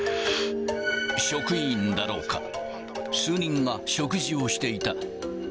職員だろうか、数人が食事をしていた。